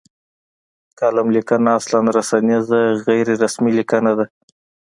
کالم لیکنه اصلا رسنیزه غیر رسمي لیکنه ده.